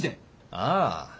ああ。